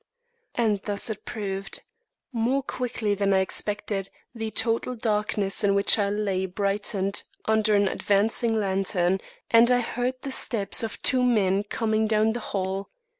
And thus it proved. More quickly than I expected, the total darkness in which I lay, brightened under an advancing lantern, and I heard the steps of two men coming down the hall.